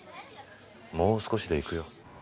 もう少しで行くよ。